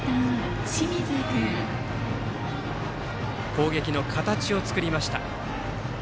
攻撃の形を作りました。